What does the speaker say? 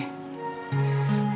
benci sama oguh